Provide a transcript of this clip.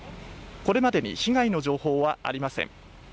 これまでに被害の情報はありません。